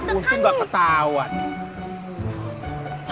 mungkin bakal ketawa nih